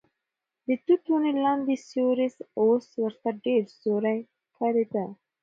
د توت ونې لاندې سیوری اوس ورته ډېر سوړ ښکارېده.